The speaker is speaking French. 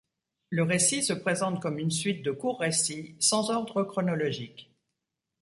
Le récit se présente comme une suite de courts récits, sans ordre chronologique.